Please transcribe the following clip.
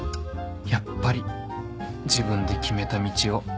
やっぱり自分で決めた道を